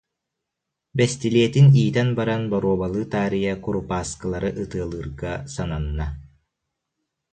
Бэстилиэтин иитэн баран, боруобалыы таарыйа курупааскылары ытыалыырга сананна